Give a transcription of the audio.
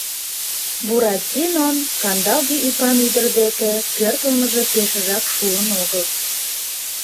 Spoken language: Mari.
Буратинон кандалге ӱпан ӱдыр деке пӧртылмыжӧ пешыжак шуын огыл.